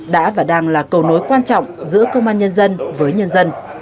đã và đang là cầu nối quan trọng giữa công an nhân dân với nhân dân